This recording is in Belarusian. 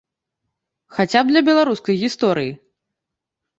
Хаця б для беларускай гісторыі.